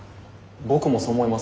僕もそう思います。